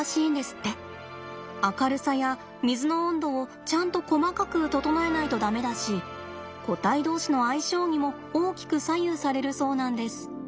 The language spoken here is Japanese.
明るさや水の温度をちゃんと細かく整えないと駄目だし個体どうしの相性にも大きく左右されるそうなんです。